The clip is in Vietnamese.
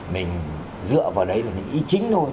mình dựa vào đấy là những ý chính thôi